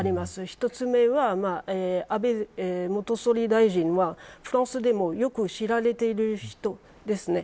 一つ目は、安倍元総理大臣はフランスでもよく知られている人ですね。